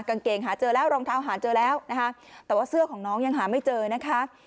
กางเกงหาเจอแล้วรองเท้าหาเจอแล้วนะคะแต่ว่าเสื้อของน้องยังหาไม่เจอนะคะ